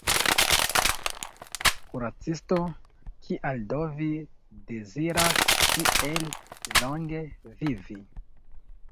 Kuracisto: “Kial do vi deziras tiel longe vivi?